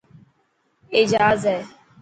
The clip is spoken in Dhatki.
اي جهاز هي.